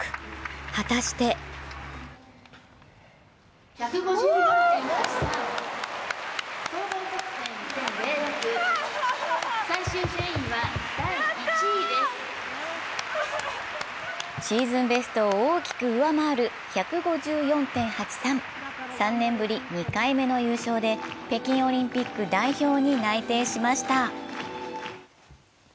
果たしてシーズンベストを大きく上回る１５４．８３、３年ぶり２回目の優勝で、北京オリンピック代表に内定しました。